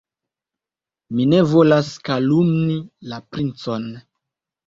Mi ne volas kalumnii la princon.